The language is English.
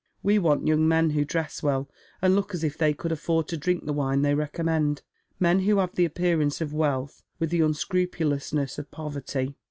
We want young men who dress well, and look as if they could afford to drink the wine they recommend ; men who have the appearance of wealth with the unscrupulousness of poverty.'